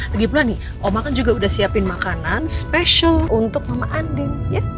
lagipula nih oma kan juga udah siapin makanan special untuk mama andin